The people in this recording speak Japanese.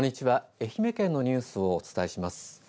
愛媛県のニュースをお伝えします。